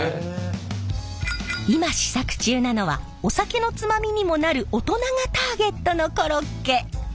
今試作中なのはお酒のつまみにもなる大人がターゲットのコロッケ。